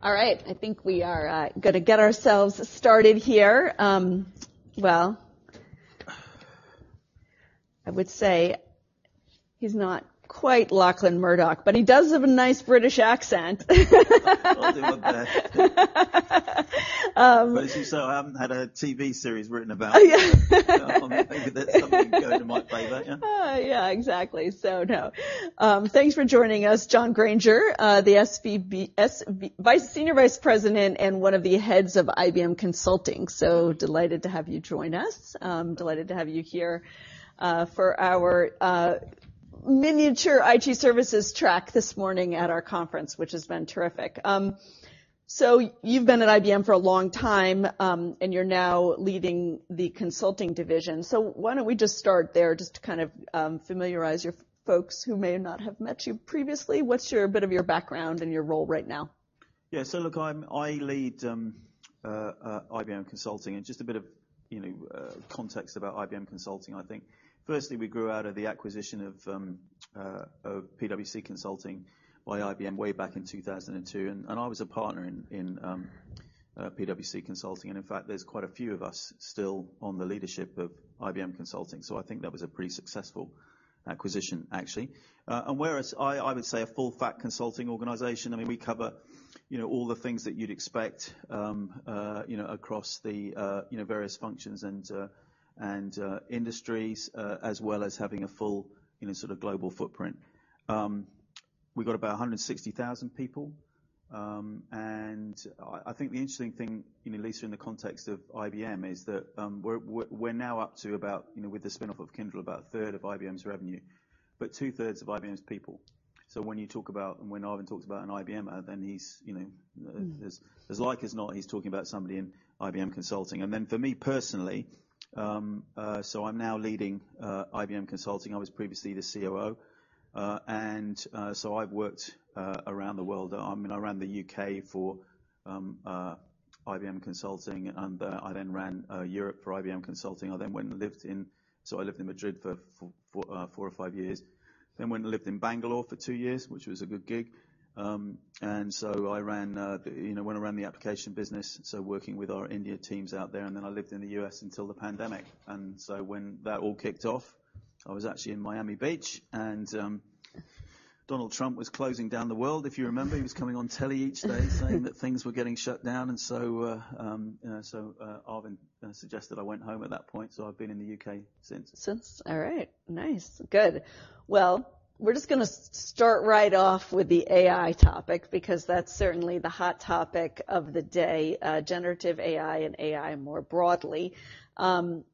All right. I think we are gonna get ourselves started here. Well, I would say he's not quite Lachlan Murdoch, but he does have a nice British accent. I'll do my best. Um- As you said, I haven't had a TV series written about me. Yeah. I think that's something going in my favor. Oh yeah, exactly. No. Thanks for joining us, John Granger, the Senior Vice President and one of the heads of IBM Consulting. Delighted to have you join us. I'm delighted to have you here for our miniature IT services track this morning at our conference, which has been terrific. You've been at IBM for a long time, and you're now leading the consulting division. Why don't we just start there just to kind of familiarize your folks who may not have met you previously? What's a bit of your background and your role right now? Yeah. Look, I lead IBM Consulting and just a bit of, you know, context about IBM Consulting, I think. Firstly, we grew out of the acquisition of PwC Consulting by IBM way back in 2002, and I was a partner in PwC Consulting, and in fact, there's quite a few of us still on the leadership of IBM Consulting. I think that was a pretty successful acquisition actually. We're, as I would say, a full-stack consulting organization. I mean, we cover, you know, all the things that you'd expect, you know, across the, you know, various functions and industries, as well as having a full, you know, sort of global footprint. We've got about 160,000 people. I think the interesting thing, you know, Lisa, in the context of IBM is that, we're now up to about, you know, with the spin-off of Kyndryl, about a third of IBM's revenue, but two-thirds of IBM's people. When you talk about, and when Arvind talks about an IBMer, then he's, you know. Mm. As like as not, he's talking about somebody in IBM Consulting. For me personally, I'm now leading IBM Consulting. I was previously the COO. I've worked around the world. I ran the U.K. for IBM Consulting. I then ran Europe for IBM Consulting. I lived in Madrid for four or five years. Went and lived in Bangalore for two years, which was a good gig. I ran, you know, went and ran the application business, so working with our India teams out there, and then I lived in the U.S. until the pandemic. When that all kicked off, I was actually in Miami Beach and Donald Trump was closing down the world. If you remember, he was coming on telly each day saying that things were getting shut down. you know, Arvind suggested I went home at that point, so I've been in the U.K. since. Since. All right. Nice. Good. We're just gonna start right off with the AI topic because that's certainly the hot topic of the day, generative AI and AI more broadly. Can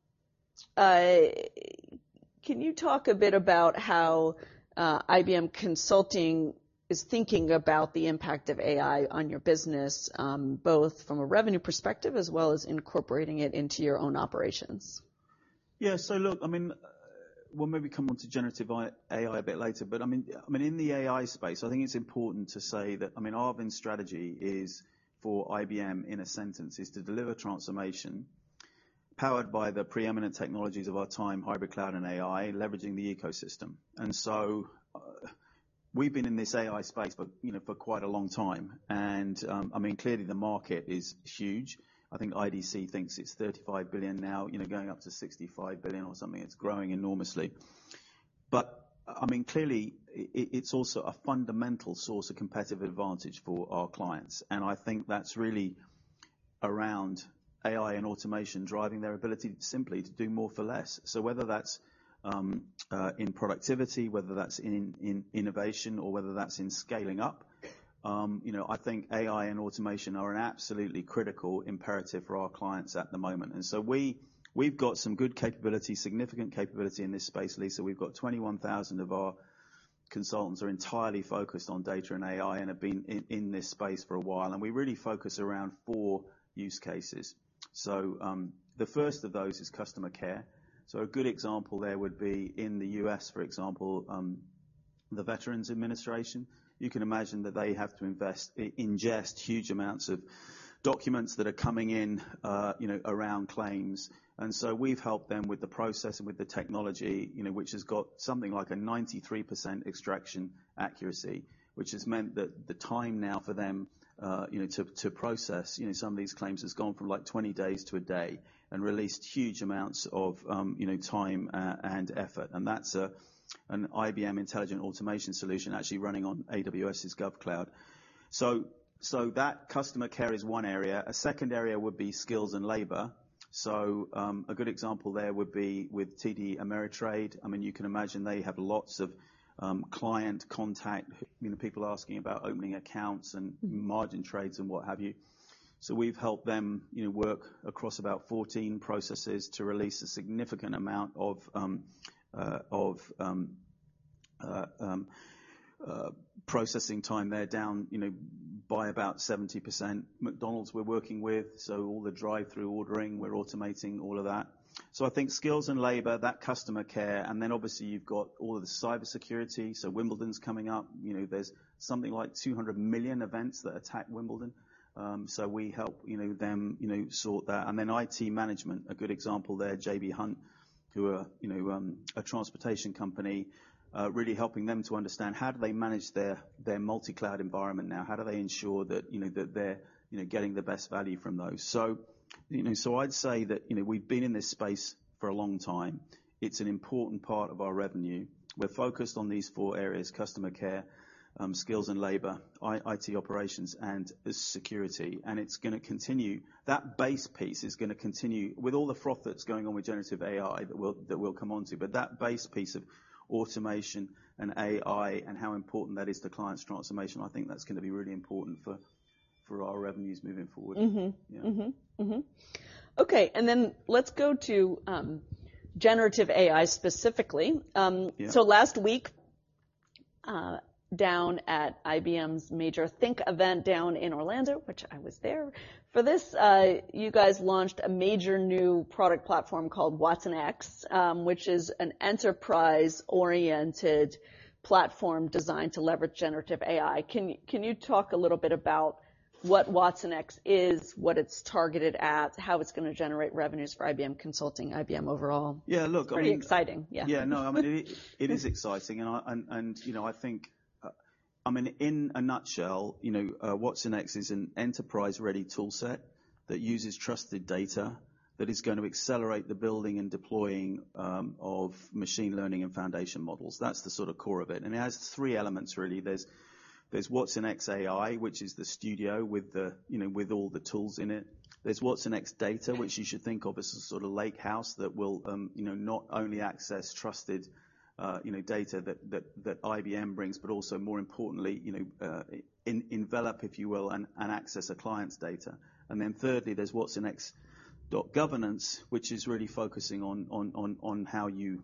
you talk a bit about how IBM Consulting is thinking about the impact of AI on your business, both from a revenue perspective as well as incorporating it into your own operations? Yeah. Look, I mean, we'll maybe come on to generative AI a bit later, I mean, in the AI space, I think it's important to say that, I mean, Arvind's strategy is for IBM, in a sentence, is to deliver transformation powered by the preeminent technologies of our time, hybrid cloud and AI, leveraging the ecosystem. We've been in this AI space for, you know, for quite a long time. I mean, clearly the market is huge. I think IDC thinks it's $35 billion now, you know, going up to $65 billion or something. It's growing enormously. I mean, clearly it's also a fundamental source of competitive advantage for our clients. I think that's really around AI and automation driving their ability simply to do more for less. Whether that's in productivity, whether that's in innovation or whether that's in scaling up, you know, I think AI and automation are an absolutely critical imperative for our clients at the moment. We've got some good capability, significant capability in this space, Lisa. We've got 21,000 of our consultants are entirely focused on data and AI and have been in this space for a while, and we really focus around four use cases. The first of those is customer care. A good example there would be in the U.S., for example, the Veterans Administration. You can imagine that they have to ingest huge amounts of documents that are coming in, you know, around claims. We've helped them with the process and with the technology, you know, which has got something like a 93% extraction accuracy, which has meant that the time now for them, you know, to process, you know, some of these claims has gone from like 20 days to a day and released huge amounts of, you know, time, and effort. That's an IBM intelligent automation solution actually running on AWS's GovCloud. That customer care is one area. A second area would be skills and labor. A good example there would be with TD Ameritrade. I mean, you can imagine they have lots of, client contact, you know, people asking about opening accounts and margin trades and what have you. We've helped them, you know, work across about 14 processes to release a significant amount of processing time. They're down, you know, by about 70%. McDonald's we're working with, all the drive-through ordering, we're automating all of that. I think skills and labor, that customer care, and then obviously you've got all of the cybersecurity. Wimbledon's coming up, you know, there's something like 200 million events that attack Wimbledon. We help, you know them, you know, sort that. Then IT management, a good example there, J.B. Hunt, who are, you know, a transportation company, really helping them to understand how do they manage their multi-cloud environment now? How do they ensure that, you know, that they're, you know, getting the best value from those? You know, I'd say that, you know, we've been in this space for a long time. It's an important part of our revenue. We're focused on these four areas, customer care, skills and labor, IT operations, and security. It's gonna continue. That base piece is gonna continue with all the froth that's going on with generative AI that we'll come onto. That base piece of automation and AI and how important that is to clients' transformation, I think that's gonna be really important for our revenues moving forward. Mm-hmm. Yeah. Mm-hmm. Mm-hmm. Okay, let's go to generative AI specifically. Yeah. Last week, down at IBM's major Think event down in Orlando, which I was there. For this, you guys launched a major new product platform called watsonx, which is an enterprise-oriented platform designed to leverage generative AI. Can you talk a little bit about what watsonx is, what it's targeted at, how it's gonna generate revenues for IBM Consulting, IBM overall? Yeah, look, I mean. It's pretty exciting. Yeah. I mean, it is exciting and you know, I think, I mean, in a nutshell, you know, watsonx is an enterprise-ready tool set that uses trusted data that is gonna accelerate the building and deploying of machine learning and foundation models. That's the sort of core of it, and it has three elements really. There's watsonx.ai, which is the studio with the, you know, with all the tools in it. There's watsonx.data, which you should think of as a sort of lakehouse that will, you know, not only access trusted, you know, data that IBM brings, but also more importantly, you know, envelop, if you will, and access a client's data. Thirdly, there's watsonx.governance, which is really focusing on how you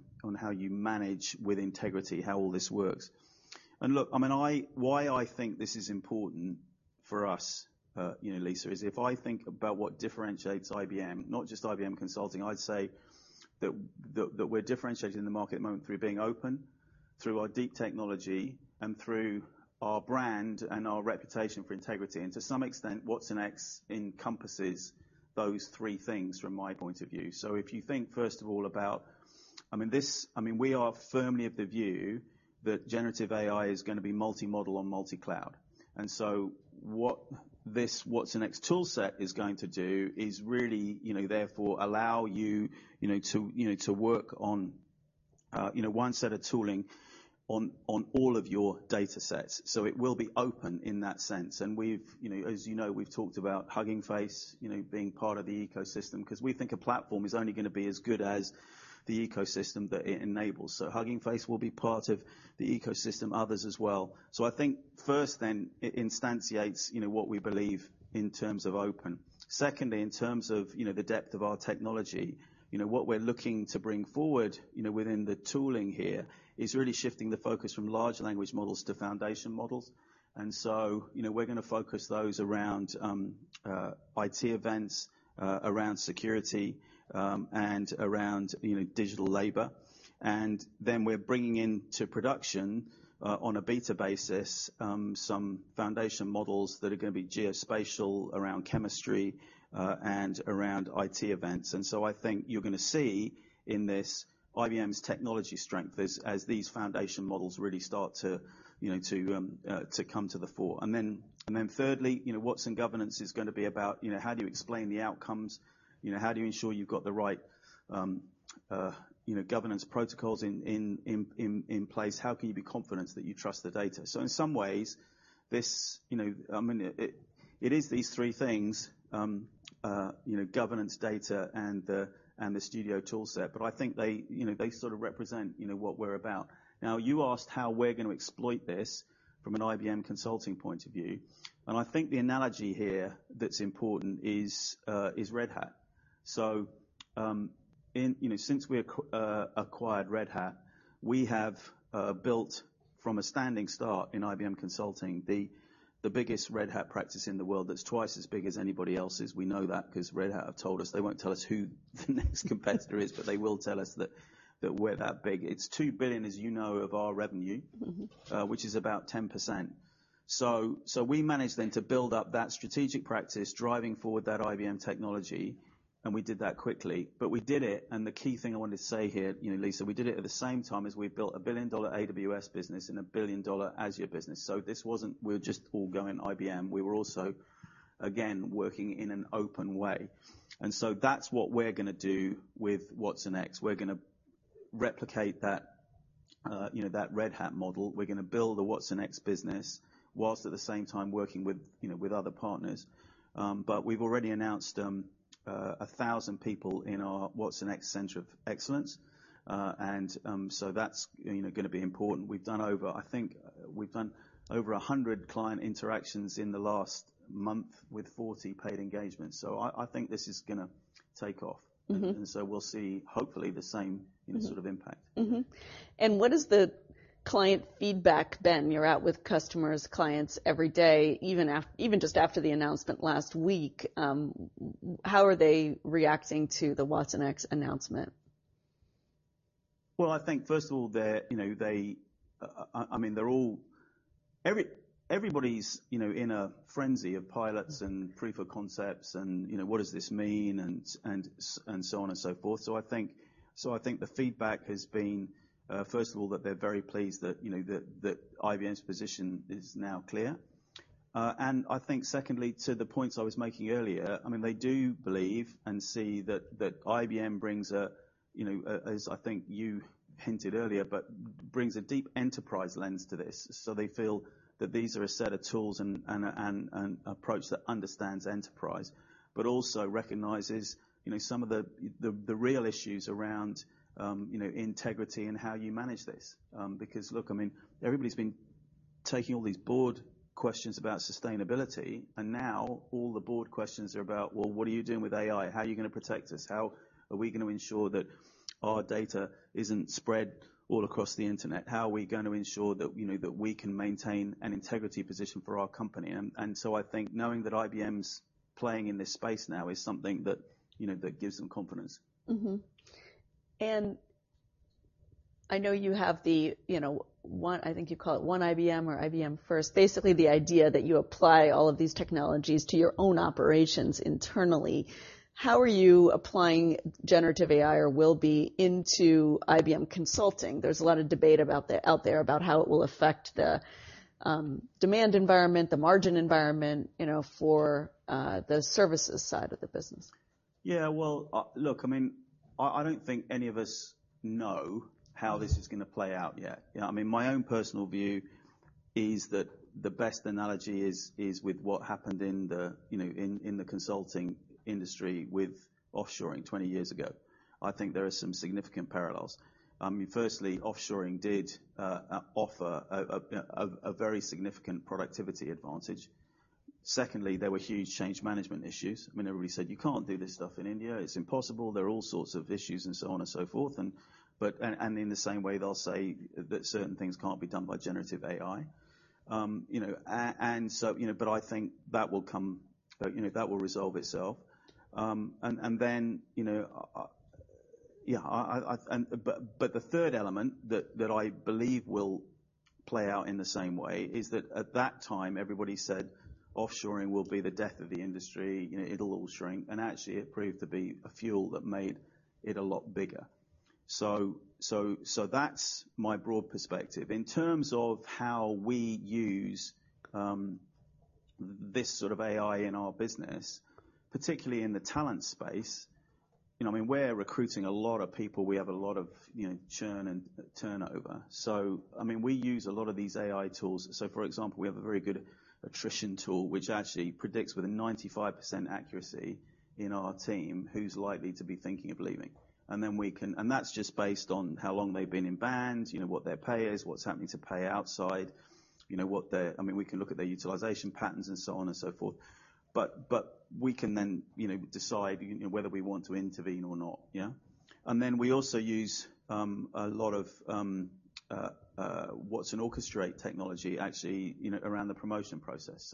manage with integrity, how all this works. Look, I mean, why I think this is important for us, you know, Lisa, is if I think about what differentiates IBM, not just IBM Consulting, I'd say that we're differentiating the market moment through being open, through our deep technology, and through our brand and our reputation for integrity. To some extent, watsonx encompasses those three things from my point of view. If you think first of all, we are firmly of the view that generative AI is gonna be multi-model and multi-cloud. What this watsonx tool set is going to do is really, you know, therefore allow you know, to, you know, to work on, you know, one set of tooling on all of your data sets. It will be open in that sense. We've, you know, as you know, we've talked about Hugging Face, you know, being part of the ecosystem, 'cause we think a platform is only gonna be as good as the ecosystem that it enables. Hugging Face will be part of the ecosystem, others as well. I think first then it instantiates, you know, what we believe in terms of open. Secondly, in terms of, you know, the depth of our technology, you know, what we're looking to bring forward, you know, within the tooling here is really shifting the focus from large language models to foundation models. You know, we're gonna focus those around IT events, around security, and around, you know, digital labor. We're bringing into production, on a beta basis, some foundation models that are gonna be geospatial around chemistry, and around IT events. I think you're gonna see in this IBM's technology strength as these foundation models really start to, you know, to come to the fore. Thirdly, you know, watsonx governance is gonna be about, you know, how do you explain the outcomes? You know, how do you ensure you've got the right, you know, governance protocols in place? How can you be confident that you trust the data? In some ways, this, you know, I mean, it is these three things, you know, governance, data, and the, and the studio tool set, but I think they, you know, they sort of represent, you know, what we're about. You asked how we're gonna exploit this from an IBM Consulting point of view, and I think the analogy here that's important is Red Hat. In, you know, since we acquired Red Hat, we have built from a standing start in IBM Consulting, the biggest Red Hat practice in the world that's twice as big as anybody else's. We know that 'cause Red Hat have told us. They won't tell us who the next competitor is, but they will tell us that we're that big. It's $2 billion, as you know, of our revenue- Mm-hmm which is about 10%. We managed then to build up that strategic practice driving forward that IBM technology, and we did that quickly. We did it, and the key thing I wanted to say here, you know, Lisa, we did it at the same time as we built a $1 billion AWS business and a $1 billion Azure business. This wasn't we're just all going IBM. We were also, again, working in an open way. That's what we're gonna do with watsonx. We're gonna replicate that, you know, that Red Hat model. We're gonna build a watsonx business whilst at the same time working with, you know, with other partners. We've already announced 1,000 people in our watsonx Center of Excellence. That's, you know, gonna be important. I think we've done over 100 client interactions in the last month with 40 paid engagements. I think this is gonna take off. Mm-hmm. We'll see hopefully the same. Mm-hmm ...sort of impact. Mm-hmm. What is the client feedback been? You're out with customers, clients every day, even just after the announcement last week. How are they reacting to the watsonx announcement? I think first of all they're, you know, they. I mean, they're all. Everybody's, you know, in a frenzy of pilots and proof of concepts and, you know, what does this mean, and so on and so forth. I think the feedback has been, first of all, that they're very pleased that, you know, that IBM's position is now clear. I think secondly, to the points I was making earlier, I mean, they do believe and see that IBM brings a, you know, a, as I think you hinted earlier, but brings a deep enterprise lens to this. They feel that these are a set of tools and an approach that understands enterprise, but also recognizes, you know, some of the real issues around, you know, integrity and how you manage this. Because look, I mean, everybody's been taking all these board questions about sustainability, and now all the board questions are about, "Well, what are you doing with AI? How are you gonna protect us? How are we gonna ensure that our data isn't spread all across the internet? How are we gonna ensure that, you know, that we can maintain an integrity position for our company?" I think knowing that IBM's playing in this space now is something that, you know, that gives them confidence. Mm-hmm. I know you have the, you know, I think you call it One IBM or IBM first, basically the idea that you apply all of these technologies to your own operations internally. How are you applying generative AI or will be into IBM Consulting? There's a lot of debate out there about how it will affect the demand environment, the margin environment, you know, for the services side of the business. Yeah. Well, look, I mean, I don't think any of us know how this is gonna play out yet. You know, I mean, my own personal view is that the best analogy is with what happened in the, you know, in the consulting industry with offshoring 20 years ago. I think there are some significant parallels. I mean, firstly, offshoring did offer a very significant productivity advantage. Secondly, there were huge change management issues. I mean, everybody said, "You can't do this stuff in India. It's impossible. There are all sorts of issues," and so on and so forth. In the same way, they'll say that certain things can't be done by generative AI. You know, and so, you know, I think that will come, you know, that will resolve itself. You know, the third element that I believe will play out in the same way is that at that time, everybody said offshoring will be the death of the industry, you know, it'll all shrink, and actually it proved to be a fuel that made it a lot bigger. That's my broad perspective. In terms of how we use this sort of AI in our business, particularly in the talent space, you know, I mean, we're recruiting a lot of people. We have a lot of, you know, churn and turnover, so I mean, we use a lot of these AI tools. For example, we have a very good attrition tool, which actually predicts within 95% accuracy in our team who's likely to be thinking of leaving. We can... That's just based on how long they've been in band, you know, what their pay is, what's happening to pay outside, you know, what their. I mean, we can look at their utilization patterns and so on and so forth. We can then, you know, decide, you know, whether we want to intervene or not, yeah. Then we also use a lot of watsonx Orchestrate technology actually, you know, around the promotion process.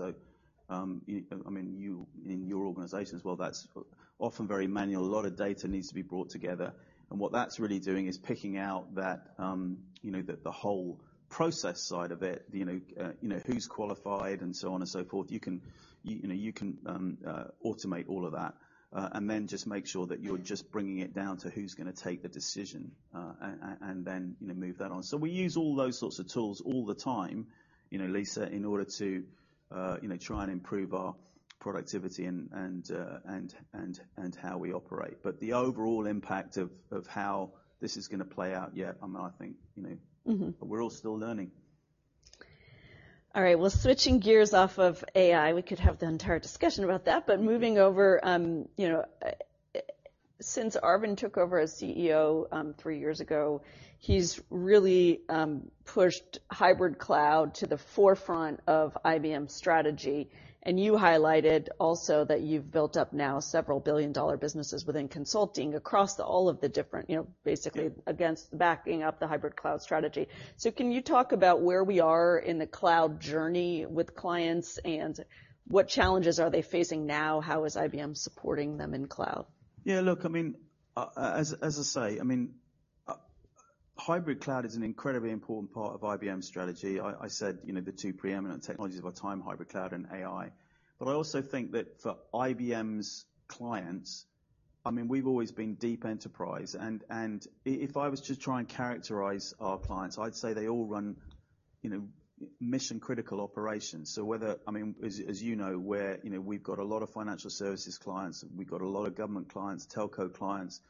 I mean, you in your organization as well, that's often very manual. A lot of data needs to be brought together, and what that's really doing is picking out that, you know, the whole process side of it. You know, who's qualified and so on and so forth. You know, you can automate all of that, and then just make sure that you're just bringing it down to who's gonna take the decision, and then, you know, move that on. We use all those sorts of tools all the time, you know, Lisa, in order to, you know, try and improve our productivity and how we operate. The overall impact of how this is gonna play out, yeah, I mean, I think, you know. Mm-hmm. We're all still learning. Switching gears off of AI, we could have the entire discussion about that, but moving over, you know, since Arvind took over as CEO, three years ago, he's really pushed hybrid cloud to the forefront of IBM strategy. You highlighted also that you've built up now several billion-dollar businesses within consulting across all of the different, you know, basically against backing up the hybrid cloud strategy. Can you talk about where we are in the cloud journey with clients, and what challenges are they facing now? How is IBM supporting them in cloud? Yeah, look, I mean, as I say, I mean, hybrid cloud is an incredibly important part of IBM strategy. I said, you know, the two preeminent technologies of our time, hybrid cloud and AI. I also think that for IBM's clients, I mean, we've always been deep enterprise and if I was to try and characterize our clients, I'd say they all run, you know, mission-critical operations. Whether I mean, as you know, we're, you know, we've got a lot of financial services clients, we've got a lot of government clients, telco clients,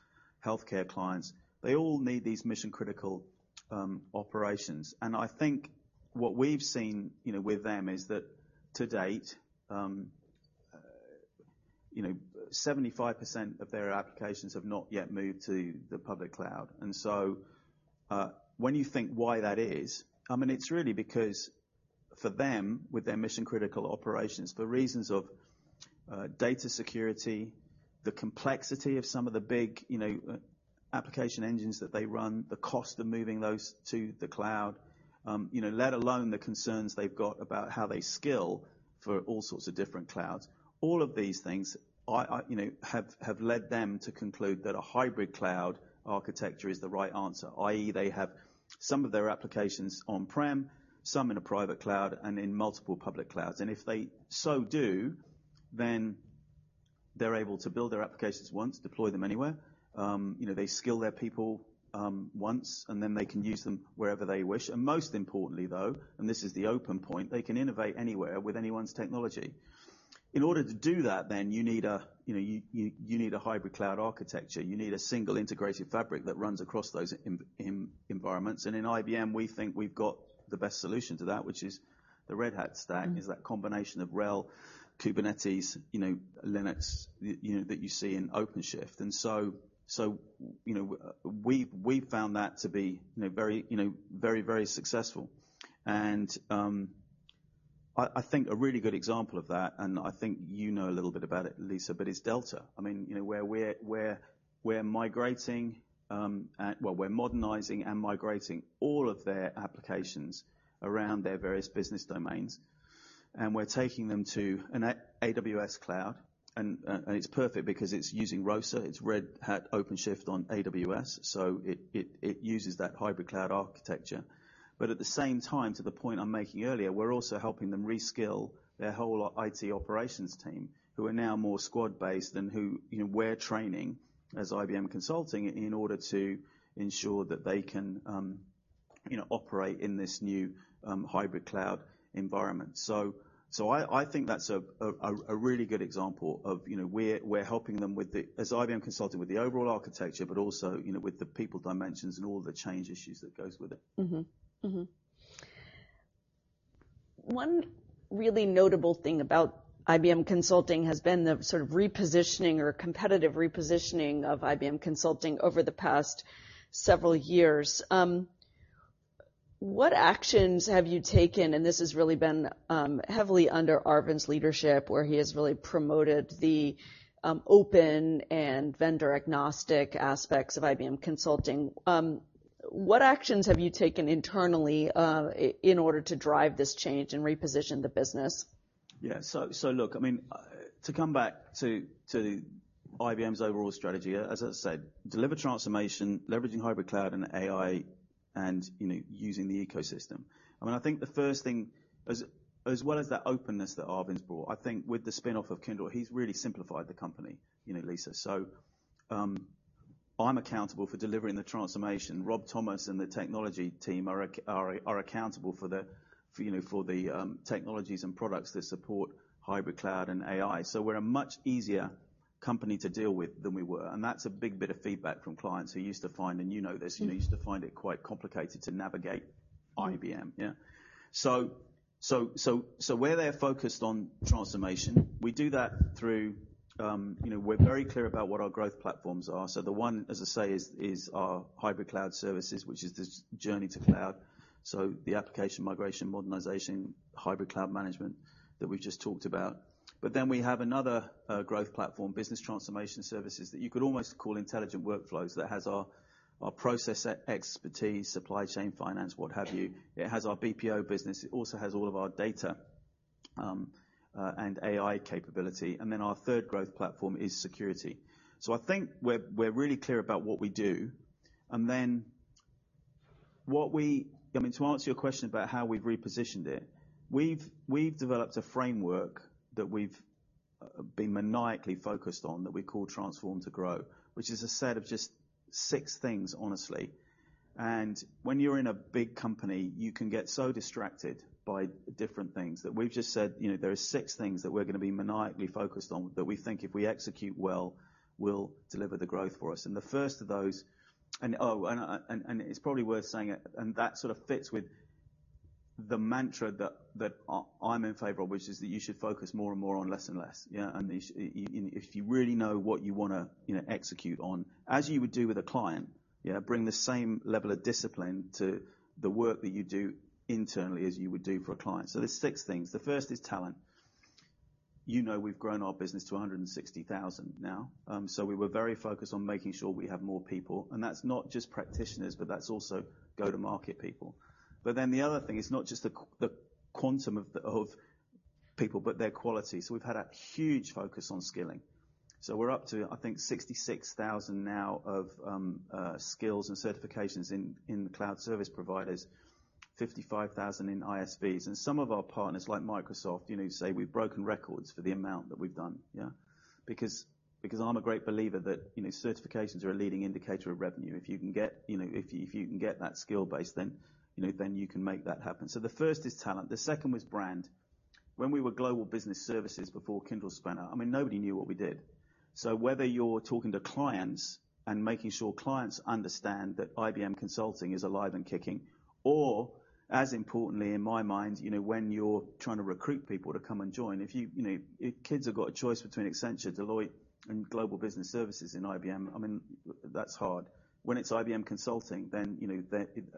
healthcare clients, they all need these mission-critical operations. I think what we've seen, you know, with them is that to date, you know, 75% of their applications have not yet moved to the public cloud. When you think why that is, I mean, it's really because for them, with their mission-critical operations, for reasons of data security, the complexity of some of the big, you know, application engines that they run, the cost of moving those to the cloud, you know, let alone the concerns they've got about how they skill for all sorts of different clouds. All of these things I, you know, have led them to conclude that a hybrid cloud architecture is the right answer, i.e., they have some of their applications on-prem, some in a private cloud and in multiple public clouds. If they so do, then they're able to build their applications once, deploy them anywhere. You know, they skill their people once, and then they can use them wherever they wish. Most importantly, though, and this is the open point, they can innovate anywhere with anyone's technology. In order to do that, you need a, you know, you need a hybrid cloud architecture, you need a single integrated fabric that runs across those environments. In IBM, we think we've got the best solution to that, which is the Red Hat Stack. It's that combination of RHEL, Kubernetes, you know, Linux, you know, that you see in OpenShift. So, you know, we found that to be, you know, very, very successful. I think a really good example of that, and I think you know a little bit about it, Lisa, but it's Delta. I mean, you know, where we're migrating... We're modernizing and migrating all of their applications around their various business domains, and we're taking them to an AWS Cloud, and it's perfect because it's using ROSA, it's Red Hat OpenShift on AWS, so it uses that hybrid cloud architecture. At the same time, to the point I'm making earlier, we're also helping them reskill their whole IT operations team, who are now more squad-based and who, you know, we're training as IBM Consulting in order to ensure that they can, you know, operate in this new hybrid cloud environment. I think that's a really good example of, you know, we're helping them with the as IBM Consulting with the overall architecture, but also, you know, with the people dimensions and all the change issues that goes with it. Mm-hmm. Mm-hmm. One really notable thing about IBM Consulting has been the sort of repositioning or competitive repositioning of IBM Consulting over the past several years. What actions have you taken, and this has really been heavily under Arvind's leadership, where he has really promoted the open and vendor-agnostic aspects of IBM Consulting. What actions have you taken internally, in order to drive this change and reposition the business? Look, I mean, to come back to IBM's overall strategy, as I said, deliver transformation, leveraging hybrid cloud and AI and, you know, using the ecosystem. I mean, I think the first thing, as well as that openness that Arvind's brought, I think with the spinoff of Kyndryl, he's really simplified the company, you know, Lisa. I'm accountable for delivering the transformation. Rob Thomas and the technology team are accountable for the, you know, for the technologies and products that support hybrid cloud and AI. We're a much easier company to deal with than we were, and that's a big bit of feedback from clients who used to find, and you know this. Mm-hmm. You know, used to find it quite complicated to navigate IBM. Yeah. Where they're focused on transformation, we do that through, you know, we're very clear about what our growth platforms are. The one, as I say, is our hybrid cloud services, which is this journey to cloud. The application migration, modernization, hybrid cloud management that we've just talked about. We have another growth platform, business transformation services, that you could almost call intelligent workflows, that has our process expertise, supply chain finance, what have you. It has our BPO business. It also has all of our data and AI capability. Our third growth platform is security. I think we're really clear about what we do and then what we... I mean, to answer your question about how we've repositioned it, we've developed a framework that we've been maniacally focused on that we call Transform to Grow, which is a set of just six things, honestly. When you're in a big company, you can get so distracted by different things that we've just said, you know, there are six things that we're going to be maniacally focused on that we think if we execute well, will deliver the growth for us. The first of those... Oh, and it's probably worth saying it, and that sort of fits with the mantra that I'm in favor of, which is that you should focus more and more on less and less, yeah? If you really know what you wanna, you know, execute on, as you would do with a client, yeah, bring the same level of discipline to the work that you do internally as you would do for a client. There's six things. The first is talent. You know, we've grown our business to 160,000 now. We were very focused on making sure we have more people. That's not just practitioners, but that's also go-to-market people. The other thing, it's not just the quantum of people, but their quality. We've had a huge focus on skilling. We're up to, I think, 66,000 now of skills and certifications in the cloud service providers, 55,000 in ISVs. Some of our partners, like Microsoft, you know, say we've broken records for the amount that we've done, yeah. Because I'm a great believer that, you know, certifications are a leading indicator of revenue. If you can get, you know, if you can get that skill base, then, you know, then you can make that happen. The first is talent. The second was brand. When we were Global Business Services before Kyndryl spun out, I mean, nobody knew what we did. Whether you're talking to clients and making sure clients understand that IBM Consulting is alive and kicking, or as importantly in my mind, you know, when you're trying to recruit people to come and join, if you know, if kids have got a choice between Accenture, Deloitte, and Global Business Services in IBM, I mean, that's hard. When it's IBM Consulting, then, you know,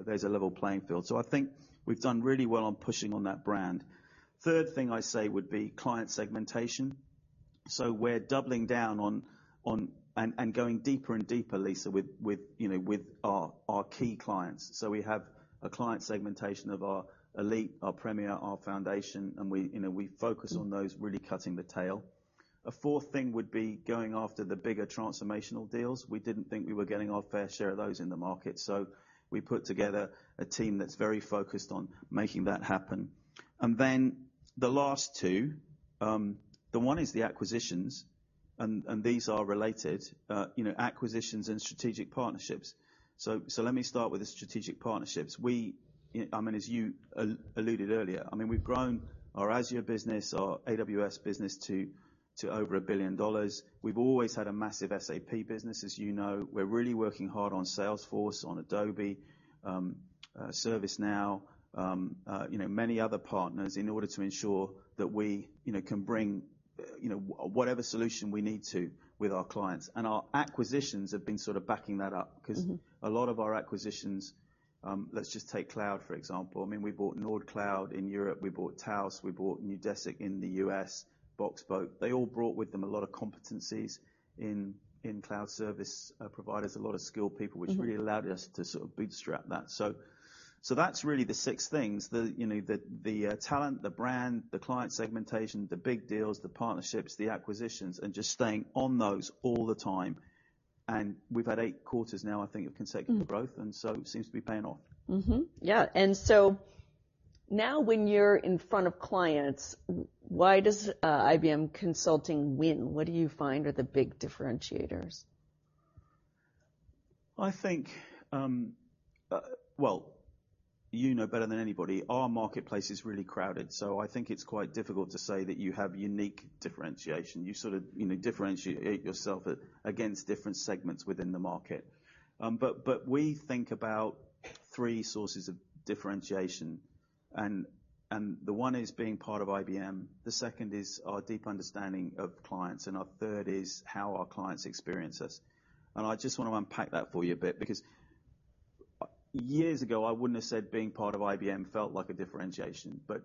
there's a level playing field. I think we've done really well on pushing on that brand. Third thing I say would be client segmentation. We're doubling down on, and going deeper and deeper, Lisa, with, you know, with our key clients. We have a client segmentation of our elite, our premier, our foundation, and we, you know, we focus on those really cutting the tail. A fourth thing would be going after the bigger transformational deals. We didn't think we were getting our fair share of those in the market, so we put together a team that's very focused on making that happen. Then the last two, the one is the acquisitions, and these are related, you know, acquisitions and strategic partnerships. Let me start with the strategic partnerships. We, as you alluded earlier, we've grown our Azure business, our AWS business to over $1 billion. We've always had a massive SAP business. We're really working hard on Salesforce, on Adobe, ServiceNow, many other partners in order to ensure that we can bring whatever solution we need to with our clients. Our acquisitions have been sort of backing that up. Mm-hmm 'cause a lot of our acquisitions, let's just take cloud, for example. I mean, we bought Nordcloud in Europe, we bought Taos, we bought Neudesic in the U.S., BoxBoat. They all brought with them a lot of competencies in cloud service providers, a lot of skilled people- Mm-hmm ...which really allowed us to sort of bootstrap that. That's really the six things. The, you know, the talent, the brand, the client segmentation, the big deals, the partnerships, the acquisitions, and just staying on those all the time. We've had eight quarters now, I think, of consecutive growth... Mm-hmm It seems to be paying off. Mm-hmm. Yeah. Now when you're in front of clients, why does IBM Consulting win? What do you find are the big differentiators? I think, well, you know better than anybody, our marketplace is really crowded, so I think it's quite difficult to say that you have unique differentiation. You sort of, you know, differentiate yourself against different segments within the market. But we think about three sources of differentiation, and the one is being part of IBM, the second is our deep understanding of clients, and our third is how our clients experience us. I just wanna unpack that for you a bit, because years ago, I wouldn't have said being part of IBM felt like a differentiation. But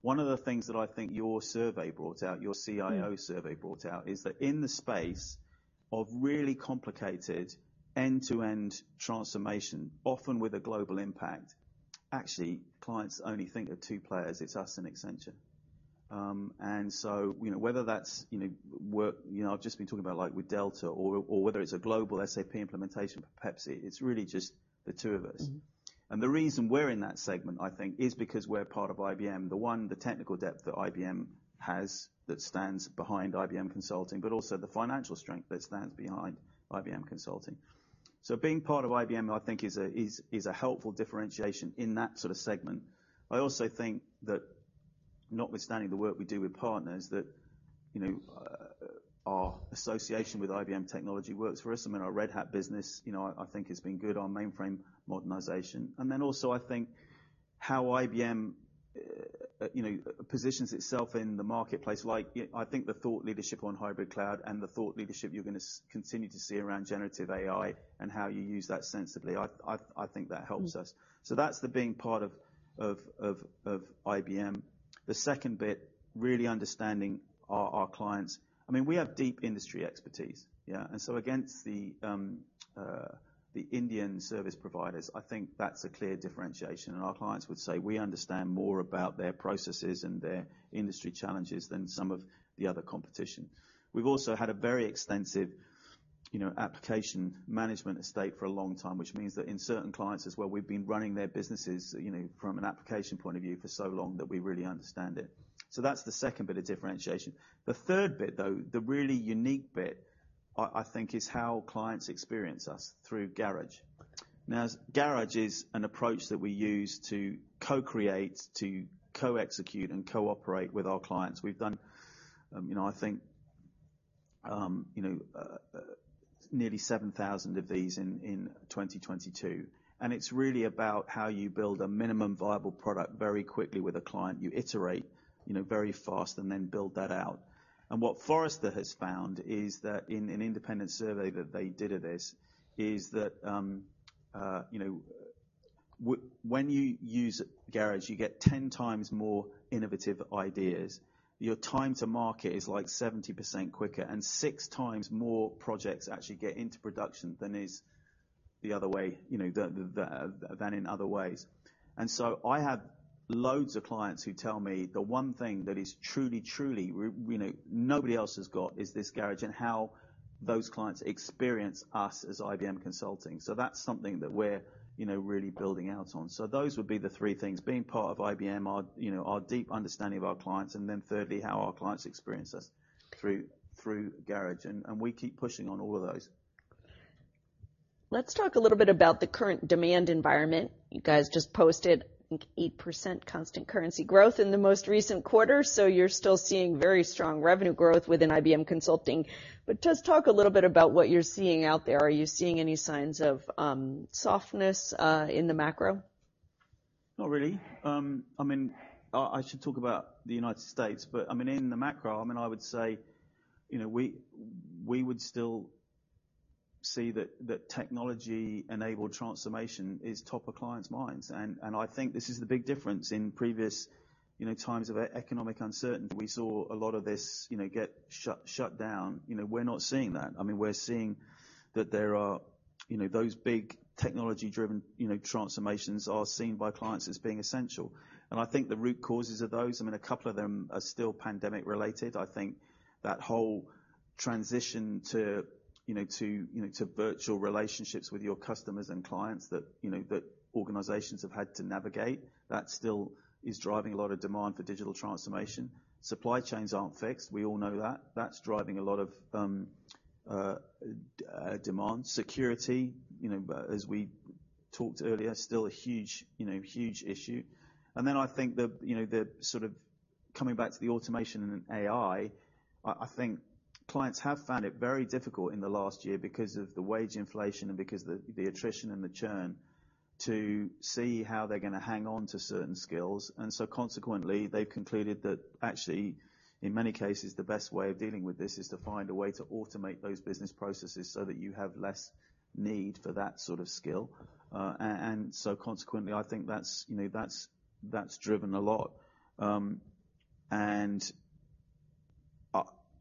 one of the things that I think your survey brought out, your CIO survey brought out, is that in the space of really complicated end-to-end transformation, often with a global impact, actually clients only think of two players. It's us and Accenture. You know, whether that's, you know, work, you know, I've just been talking about like with Delta or whether it's a global SAP implementation for Pepsi, it's really just the two of us. Mm-hmm. The reason we're in that segment, I think, is because we're part of IBM. The technical depth that IBM has that stands behind IBM Consulting, also the financial strength that stands behind IBM Consulting. Being part of IBM, I think is a helpful differentiation in that sort of segment. I also think that notwithstanding the work we do with partners, that, you know, our association with IBM technology works for us. I mean, our Red Hat business, you know, I think has been good, our mainframe modernization. Also I think how IBM, you know, positions itself in the marketplace, like, you know, I think the thought leadership on hybrid cloud and the thought leadership you're gonna continue to see around generative AI and how you use that sensibly, I think that helps us. Mm-hmm. That's the being part of IBM. The second bit, really understanding our clients. I mean, we have deep industry expertise. Against the Indian service providers, I think that's a clear differentiation, and our clients would say we understand more about their processes and their industry challenges than some of the other competition. We've also had a very extensive, you know, application management estate for a long time, which means that in certain clients as well, we've been running their businesses, you know, from an application point of view for so long that we really understand it. That's the second bit of differentiation. The third bit, though, the really unique bit, I think is how clients experience us through Garage. Garage is an approach that we use to co-create, to co-execute, and cooperate with our clients. We've done, you know, I think, you know, nearly 7,000 of these in 2022. It's really about how you build a minimum viable product very quickly with a client. You iterate, you know, very fast and then build that out. What Forrester has found is that in an independent survey that they did of this, is that, you know, when you use Garage, you get 10 times more innovative ideas, your time to market is like 70% quicker, and six times more projects actually get into production than is the other way, you know, the than in other ways. So I have loads of clients who tell me the one thing that is truly, you know, nobody else has got is this Garage, and how those clients experience us as IBM Consulting. That's something that we're, you know, really building out on. Those would be the three things, being part of IBM, our, you know, our deep understanding of our clients, and then thirdly, how our clients experience us through Garage, and we keep pushing on all of those. Let's talk a little bit about the current demand environment. You guys just posted, I think, 8% constant currency growth in the most recent quarter. You're still seeing very strong revenue growth within IBM Consulting. Just talk a little bit about what you're seeing out there. Are you seeing any signs of softness in the macro? Not really. I mean, I should talk about the United States, but I mean, in the macro, I mean, I would say, you know, we would still see that technology-enabled transformation is top of clients' minds. I think this is the big difference. In previous, you know, times of economic uncertainty, we saw a lot of this, you know, get shut down. You know, we're not seeing that. I mean, we're seeing that there are, you know, those big technology-driven, you know, transformations are seen by clients as being essential. I think the root causes of those, I mean, a couple of them are still pandemic-related. I think that whole transition to, you know, to, you know, to virtual relationships with your customers and clients that, you know, that organizations have had to navigate, that still is driving a lot of demand for digital transformation. Supply chains aren't fixed. We all know that. That's driving a lot of demand. Security, you know, as we talked earlier, still a huge issue. Then I think the, you know, the sort of coming back to the automation and AI, I think clients have found it very difficult in the last year because of the wage inflation and because the attrition and the churn to see how they're gonna hang on to certain skills. Consequently, they've concluded that actually, in many cases, the best way of dealing with this is to find a way to automate those business processes so that you have less need for that sort of skill. Consequently, I think that's, you know, that's driven a lot.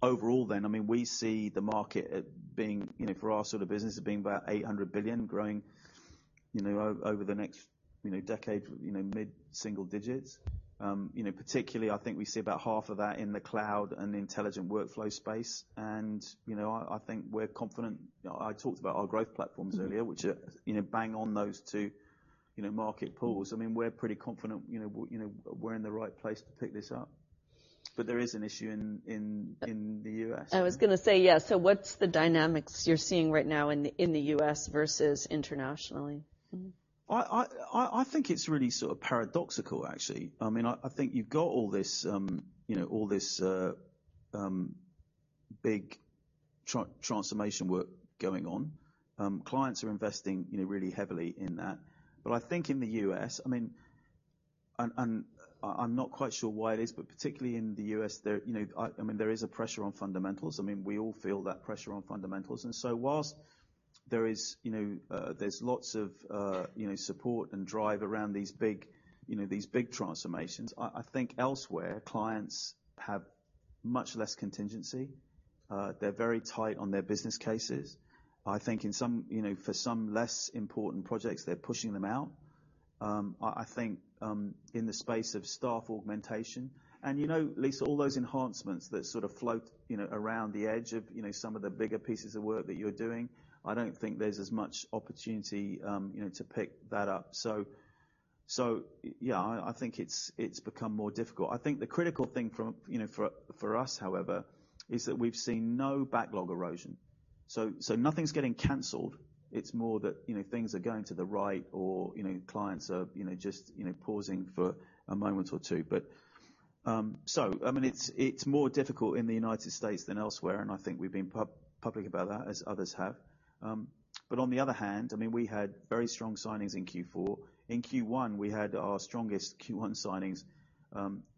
Overall then, I mean, we see the market at being, you know, for our sort of business as being about $800 billion growing, you know, over the next, you know, decade, you know, mid-single digits. You know, particularly, I think we see about half of that in the cloud and intelligent workflow space. I think we're confident. I talked about our growth platforms earlier, which are, you know, bang on those two, you know, market pools. I mean, we're pretty confident, you know, you know, we're in the right place to pick this up. There is an issue in the U.S. I was gonna say, yeah. What's the dynamics you're seeing right now in the, in the U.S. versus internationally? Mm-hmm. I think it's really sort of paradoxical, actually. I mean, I think you've got all this, you know, all this big transformation work going on. Clients are investing, you know, really heavily in that. I think in the U.S., I mean, and I'm not quite sure why it is, but particularly in the U.S. there, you know, I mean, there is a pressure on fundamentals. I mean, we all feel that pressure on fundamentals. Whilst there is, you know, there's lots of, you know, support and drive around these big, you know, these big transformations, I think elsewhere, clients have much less contingency. They're very tight on their business cases. I think in some, you know, for some less important projects, they're pushing them out. I think, in the space of staff augmentation, and, you know, Lisa, all those enhancements that sort of float, you know, around the edge of, you know, some of the bigger pieces of work that you're doing, I don't think there's as much opportunity, you know, to pick that up. Yeah, I think it's become more difficult. I think the critical thing from, you know, for us, however, is that we've seen no backlog erosion, so nothing's getting canceled. It's more that, you know, things are going to the right or, you know, clients are, you know, just, you know, pausing for a moment or two. I mean, it's more difficult in the United States than elsewhere, and I think we've been public about that, as others have. On the other hand, I mean, we had very strong signings in Q4. In Q1, we had our strongest Q1 signings,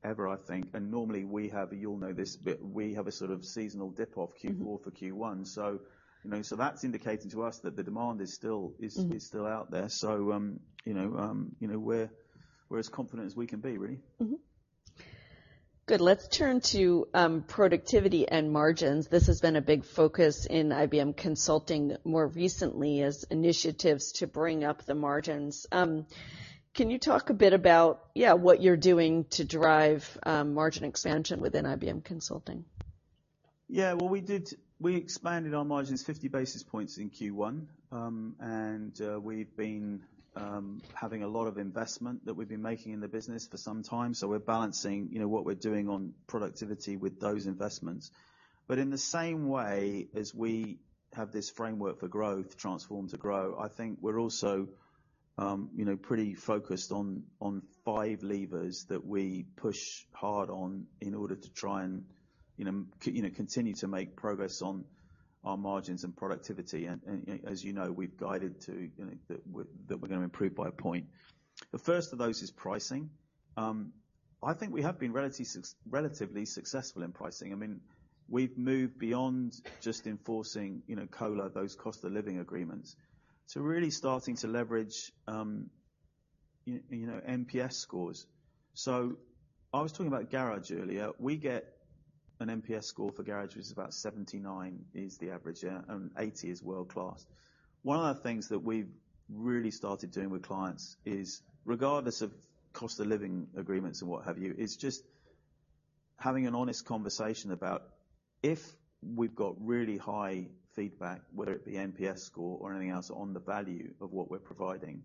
ever, I think. Normally we have, you all know this, but we have a sort of seasonal dip of Q4 for Q1. Mm-hmm. You know, so that's indicating to us that the demand is still. Mm-hmm. Is still out there. You know, you know, we're as confident as we can be, really. Good. Let's turn to productivity and margins. This has been a big focus in IBM Consulting more recently as initiatives to bring up the margins. Can you talk a bit about what you're doing to drive margin expansion within IBM Consulting? Well, we expanded our margins 50 basis points in Q1. We've been having a lot of investment that we've been making in the business for some time, so we're balancing, you know, what we're doing on productivity with those investments. In the same way as we have this framework for growth, Transform to Grow, I think we're also, you know, pretty focused on five levers that we push hard on in order to try and, you know, continue to make progress on our margins and productivity. As you know, we've guided to, you know, that we're gonna improve by one point. The first of those is pricing. I think we have been relatively successful in pricing. I mean, we've moved beyond just enforcing, you know, COLA, those cost-of-living agreements, to really starting to leverage, you know, NPS scores. I was talking about Garage earlier. We get an NPS score for Garage, which is about 79 is the average. Yeah. 80 is world-class. One of the things that we've really started doing with clients is, regardless of cost-of-living agreements and what have you, is just having an honest conversation about if we've got really high feedback, whether it be NPS score or anything else on the value of what we're providing,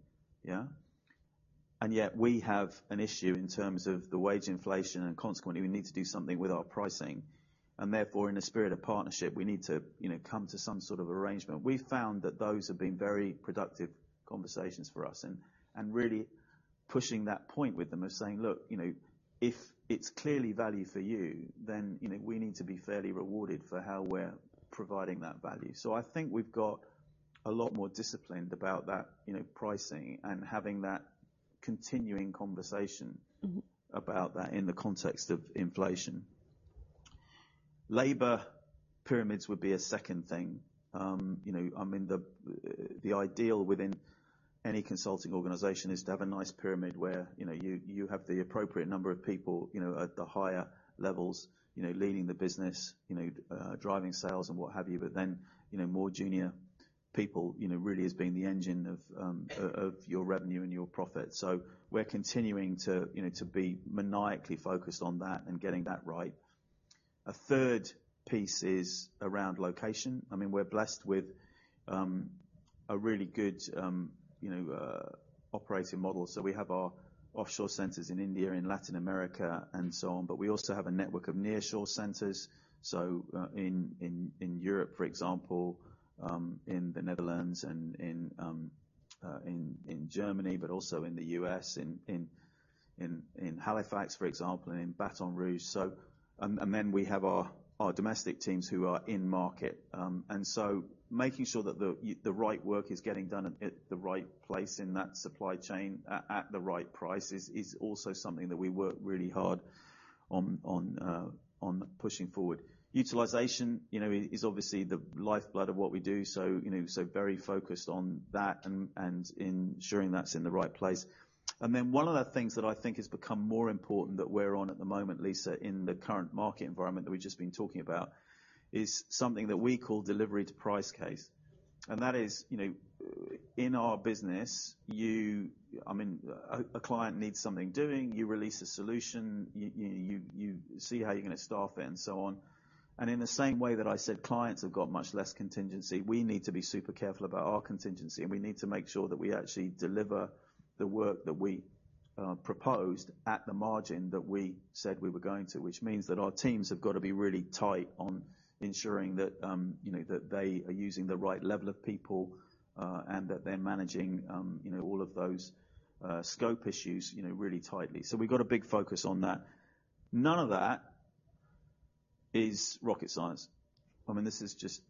yeah, and yet we have an issue in terms of the wage inflation, and consequently, we need to do something with our pricing, and therefore, in a spirit of partnership, we need to, you know, come to some sort of arrangement. We found that those have been very productive conversations for us and really pushing that point with them of saying, "Look, you know, if it's clearly value for you, then, you know, we need to be fairly rewarded for how we're providing that value." I think we've got a lot more disciplined about that, you know, pricing and having that continuing conversation. Mm-hmm. About that in the context of inflation. Labor pyramids would be a second thing. You know, I mean the ideal within any consulting organization is to have a nice pyramid where, you know, you have the appropriate number of people, you know, at the higher levels, you know, leading the business, driving sales and what have you. You know, more junior people, you know, really as being the engine of your revenue and your profit. We're continuing to, you know, to be maniacally focused on that and getting that right. A third piece is around location. I mean, we're blessed with a really good, you know, operating model. We have our offshore centers in India and Latin America and so on, but we also have a network of nearshore centers. In Europe, for example, in the Netherlands and in Germany, but also in the U.S., in Halifax, for example, and in Baton Rouge. Then we have our domestic teams who are in market. making sure that the right work is getting done at the right place in that supply chain at the right price is also something that we work really hard on pushing forward. Utilization, you know, is obviously the lifeblood of what we do. Very focused on that and ensuring that's in the right place. One of the things that I think has become more important that we're on at the moment, Lisa, in the current market environment that we've just been talking about, is something that we call delivery to price case. That is, you know, in our business, I mean, a client needs something doing, you release a solution, you see how you're gonna staff it and so on. In the same way that I said clients have got much less contingency, we need to be super careful about our contingency, and we need to make sure that we actually deliver the work that we proposed at the margin that we said we were going to. Which means that our teams have got to be really tight on ensuring that, you know, that they are using the right level of people, and that they're managing, you know, all of those, scope issues, you know, really tightly. We've got a big focus on that. None of that is rocket science. I mean, this is just.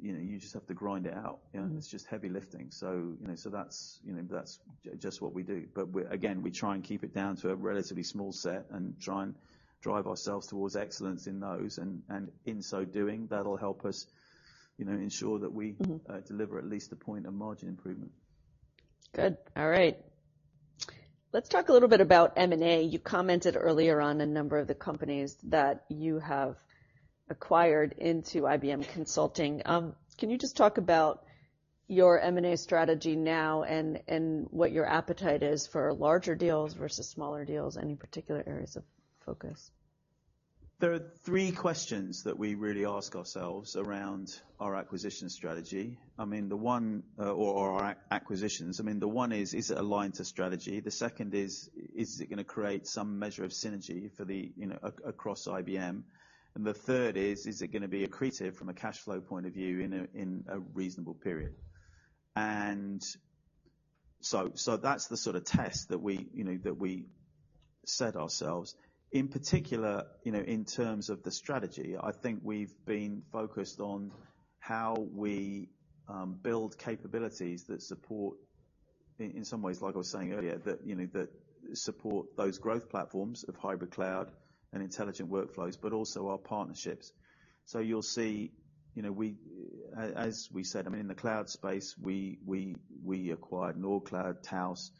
You know, you just have to grind it out. You know, it's just heavy lifting. You know, so that's, you know, that's just what we do. We're, again, we try and keep it down to a relatively small set and try and drive ourselves towards excellence in those. In so doing, that'll help us, you know, ensure that we Mm-hmm. deliver at least a point of margin improvement. Good. All right. Let's talk a little bit about M&A. You commented earlier on a number of the companies that you have acquired into IBM Consulting. Can you just talk about your M&A strategy now and what your appetite is for larger deals versus smaller deals? Any particular areas of focus? There are three questions that we really ask ourselves around our acquisition strategy. I mean, the one, or our acquisitions. I mean, the one is it aligned to strategy? The second is it going to create some measure of synergy for the, you know, across IBM? The third is it going to be accretive from a cash flow point of view in a, in a reasonable period? That's the sort of test that we, you know, that we set ourselves. In particular, you know, in terms of the strategy, I think we've been focused on how we build capabilities that support in some ways, like I was saying earlier, that, you know, that support those growth platforms of hybrid cloud and intelligent workflows, but also our partnerships. You'll see, you know, we... As we said, I mean, in the cloud space, we acquired Nordcloud, Taos,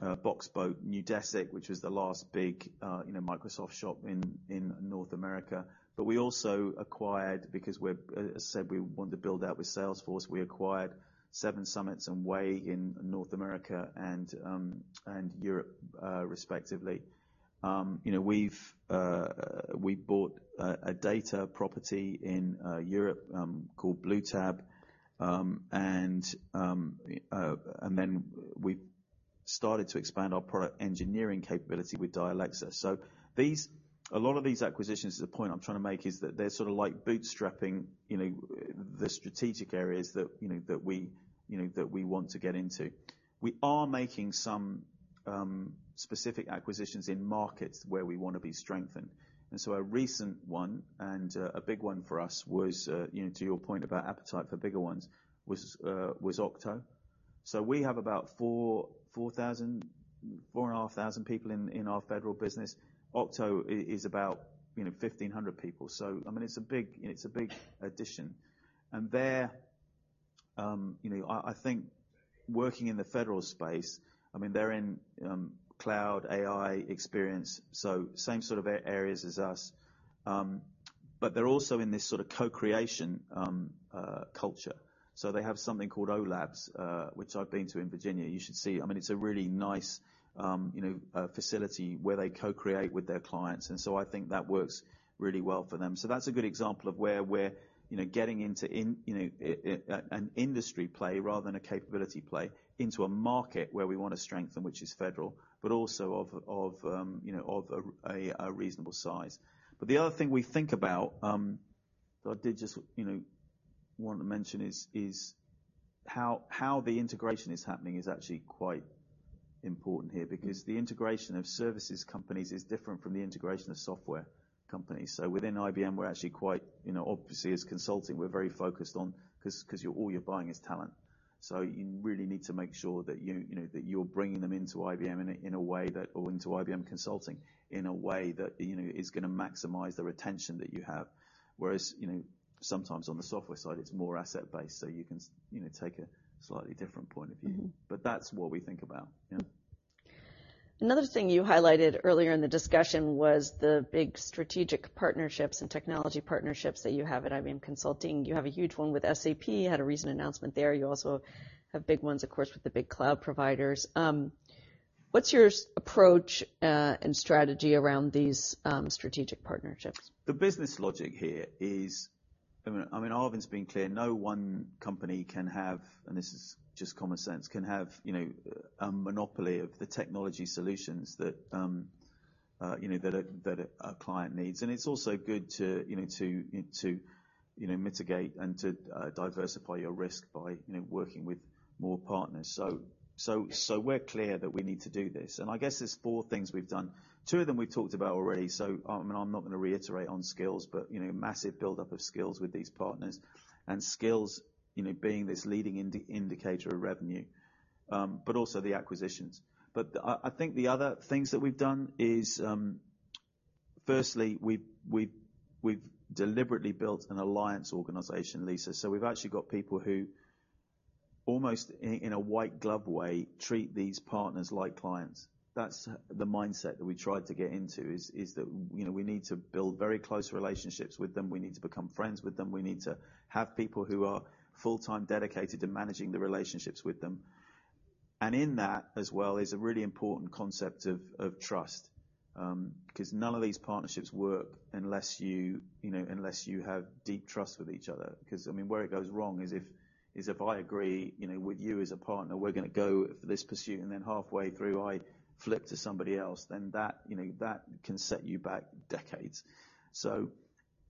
BoxBoat, Neudesic, which was the last big, you know, Microsoft shop in North America. We also acquired, because we said we want to build out with Salesforce, we acquired 7Summits and Waeg in North America and Europe, respectively. You know, we've bought a data property in Europe called Bluetab. And then we started to expand our product engineering capability with Dialexa. A lot of these acquisitions, the point I'm trying to make is that they're sort of like bootstrapping, you know, the strategic areas that, you know, that we want to get into. We are making some specific acquisitions in markets where we wanna be strengthened. A recent one and a big one for us was, you know, to your point about appetite for bigger ones, was Octo. We have about 4,000, 4,500 people in our federal business. Octo is about, you know, 1,500 people. I mean, it's a big addition. They're, you know, I think working in the federal space, I mean, they're in cloud, AI experience, so same sort of areas as us. But they're also in this sort of co-creation culture. They have something called O Labs, which I've been to in Virginia. You should see. I mean, it's a really nice, you know, facility where they co-create with their clients. I think that works really well for them. That's a good example of where we're, you know, getting into in, you know, an industry play rather than a capability play, into a market where we wanna strengthen, which is federal, but also of, you know, of a reasonable size. The other thing we think about, I did just, you know, want to mention is how the integration is happening is actually quite important here, because the integration of services companies is different from the integration of software companies. Within IBM, we're actually quite, you know, obviously as consulting, we're very focused on 'cause you're all you're buying is talent. You really need to make sure that you know, that you're bringing them into IBM Consulting in a way that, you know, is gonna maximize the retention that you have. Whereas, you know, sometimes on the software side, it's more asset-based, you can you know, take a slightly different point of view. Mm-hmm. That's what we think about. Yeah. Another thing you highlighted earlier in the discussion was the big strategic partnerships and technology partnerships that you have at IBM Consulting. You have a huge one with SAP, had a recent announcement there. You also have big ones, of course, with the big cloud providers. What's your approach and strategy around these strategic partnerships? The business logic here is... I mean, Arvind's been clear. No one company can have, and this is just common sense, can have, you know, a monopoly of the technology solutions that, you know, that a client needs. It's also good to, you know, to, you know, mitigate and to diversify your risk by, you know, working with more partners. So we're clear that we need to do this. I guess there's four things we've done. Two of them we talked about already, so I mean, I'm not gonna reiterate on skills, but, you know, massive buildup of skills with these partners and skills, you know, being this leading indicator of revenue, but also the acquisitions. I think the other things that we've done is, firstly, we've deliberately built an alliance organization, Lisa. We've actually got people who almost in a white glove way treat these partners like clients. That's the mindset that we try to get into is that, you know, we need to build very close relationships with them. We need to become friends with them. We need to have people who are full-time dedicated to managing the relationships with them. In that as well is a really important concept of trust, 'cause none of these partnerships work unless you know, unless you have deep trust with each other. I mean, where it goes wrong is if I agree, you know, with you as a partner, we're gonna go for this pursuit, and then halfway through I flip to somebody else, then that, you know, that can set you back decades.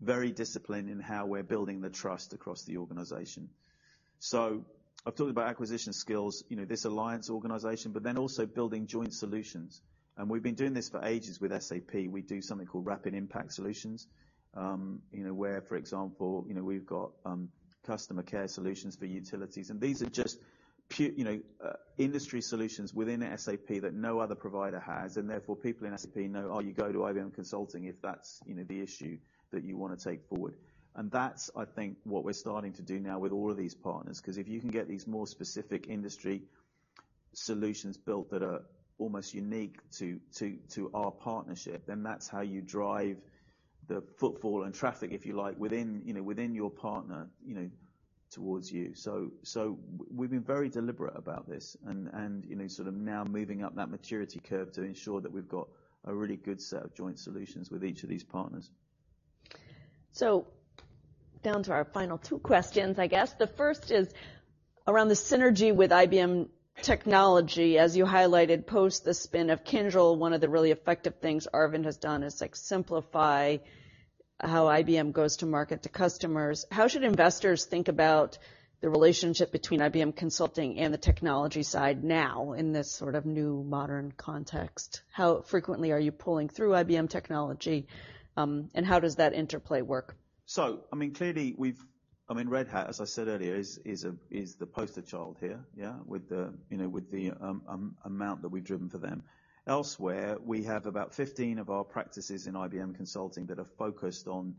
Very disciplined in how we're building the trust across the organization. I've talked about acquisition skills, you know, this alliance organization, also building joint solutions. We've been doing this for ages with SAP. We do something called Rapid Impact Solutions, you know, where, for example, you know, we've got customer care solutions for utilities. These are just you know, industry solutions within SAP that no other provider has, and therefore, people in SAP know, oh, you go to IBM Consulting if that's, you know, the issue that you wanna take forward. That's, I think, what we're starting to do now with all of these partners, 'cause if you can get these more specific industry solutions built that are almost unique to our partnership, then that's how you drive the footfall and traffic, if you like, within, you know, within your partner, you know, towards you. We've been very deliberate about this and, you know, sort of now moving up that maturity curve to ensure that we've got a really good set of joint solutions with each of these partners. Down to our final two questions, I guess. The first is around the synergy with IBM technology. As you highlighted, post the spin of Kyndryl, one of the really effective things Arvind has done is like simplify how IBM goes to market to customers. How should investors think about the relationship between IBM Consulting and the technology side now in this sort of new modern context? How frequently are you pulling through IBM technology, and how does that interplay work? I mean, clearly Red Hat, as I said earlier, is the poster child here, yeah? With the, you know, with the amount that we've driven for them. Elsewhere, we have about 15 of our practices in IBM Consulting that are focused on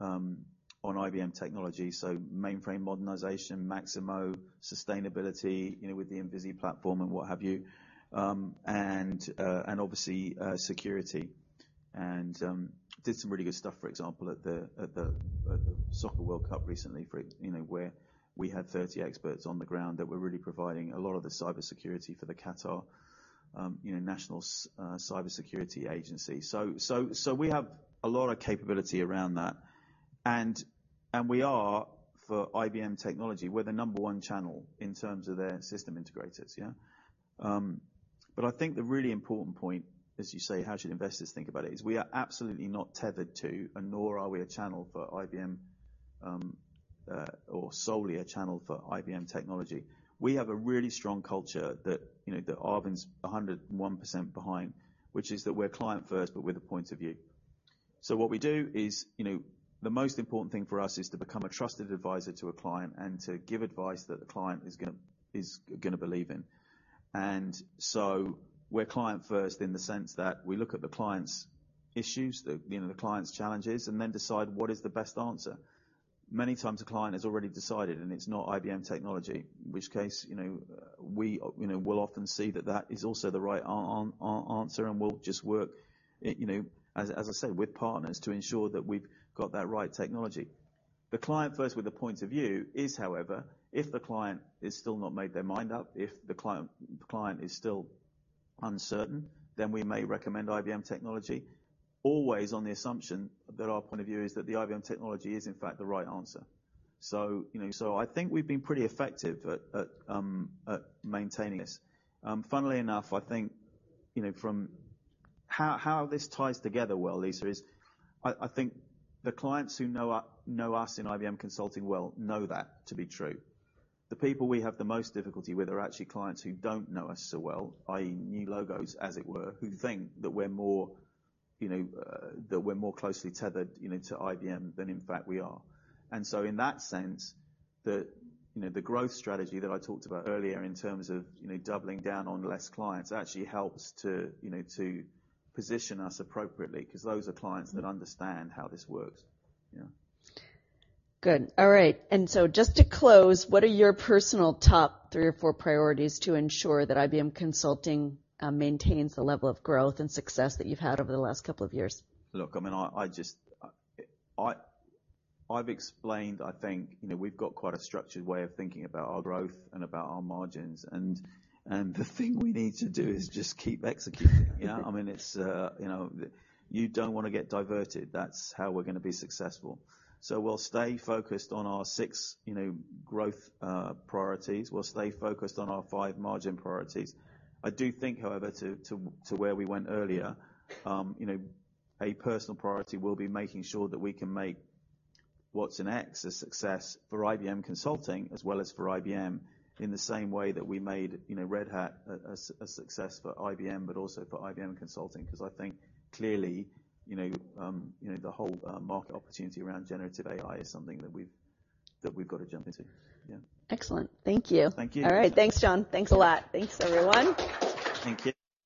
IBM technology, so mainframe modernization, Maximo, sustainability, you know, with the Envizi platform and what have you, and obviously security. Did some really good stuff, for example, at the Soccer World Cup recently, you know, where we had 30 experts on the ground that were really providing a lot of the cybersecurity for the Qatar, you know, national cybersecurity agency. So we have a lot of capability around that. We are, for IBM technology, we're the number one channel in terms of their system integrators, yeah? I think the really important point, as you say, how should investors think about it, is we are absolutely not tethered to, and nor are we a channel for IBM, or solely a channel for IBM technology. We have a really strong culture that, you know, that Arvind's 101% behind, which is that we're client first, but with a point of view. What we do is, you know, the most important thing for us is to become a trusted advisor to a client and to give advice that the client is gonna believe in. We're client first in the sense that we look at the client's issues, the client's challenges, and then decide what is the best answer. Many times a client has already decided, and it's not IBM technology, in which case, you know, we, you know, we'll often see that that is also the right answer and we'll just work, you know, as I said, with partners to ensure that we've got that right technology. The client first with a point of view is, however, if the client is still not made their mind up, if the client is still uncertain, then we may recommend IBM technology, always on the assumption that our point of view is that the IBM technology is in fact the right answer. You know, I think we've been pretty effective at maintaining this. Funnily enough, I think, you know, from how this ties together well, Lisa, is I think the clients who know us in IBM Consulting well know that to be true. The people we have the most difficulty with are actually clients who don't know us so well, i.e. new logos as it were, who think that we're more, you know, that we're more closely tethered, you know, to IBM than in fact we are. In that sense, you know, the growth strategy that I talked about earlier in terms of, you know, doubling down on less clients actually helps to, you know, to position us appropriately, 'cause those are clients that understand how this works. Yeah. Good. All right. Just to close, what are your personal top three or four priorities to ensure that IBM Consulting maintains the level of growth and success that you've had over the last couple of years? Look, I mean, I just, I've explained, I think, you know, we've got quite a structured way of thinking about our growth and about our margins, the thing we need to do is just keep executing. You know, I mean, it's, you know, You don't wanna get diverted. That's how we're gonna be successful. We'll stay focused on our six, you know, growth priorities. We'll stay focused on our five margin priorities. I do think, however, to where we went earlier, you know, a personal priority will be making sure that we can make watsonx a success for IBM Consulting as well as for IBM, in the same way that we made, you know, Red Hat a success for IBM but also for IBM Consulting, 'cause I think clearly, you know, the whole market opportunity around generative AI is something that we've got to jump into. Yeah. Excellent. Thank you. Thank you. All right. Thanks, John. Thanks a lot. Thanks, everyone. Thank you.